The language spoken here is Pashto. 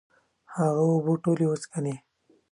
هغه اوبه ټولي وڅکلي